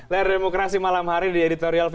ler demokrasi malam hari di editorial v